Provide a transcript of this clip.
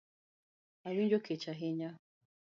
Awinjo kech ahinya